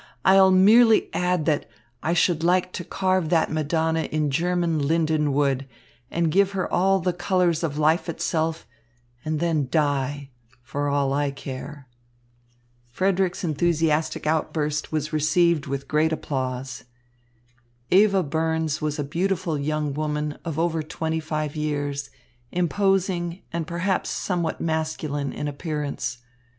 I'll merely add that I should like to carve that Madonna in German linden wood and give her all the colours of life itself, and then die, for all I care." Frederick's enthusiastic outburst was received with great applause. Eva Burns was a beautiful young woman of over twenty five years, imposing and perhaps somewhat masculine in appearance.